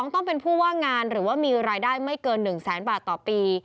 ต้องเป็นผู้ว่างงานหรือว่ามีรายได้ไม่เกิน๑แสนบาทต่อปี